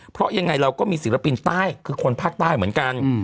เพราะยังไงเราก็มีศิลปินใต้คือคนภาคใต้เหมือนกัน